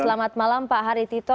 selamat malam pak hari tirto